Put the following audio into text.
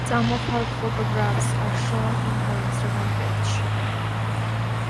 Some of her photographs are shown in her Instagram page